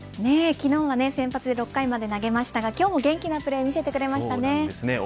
昨日は先発６回まで投げましたが今日も元気なプレー見してくれましたね。